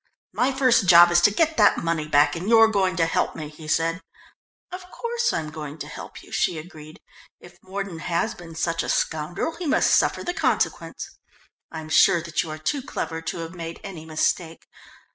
"My first job is to get that money back, and you're going to help me," he said. "Of course I'm going to help you," she agreed. "If Mordon has been such a scoundrel, he must suffer the consequence. I'm sure that you are too clever to have made any mistake.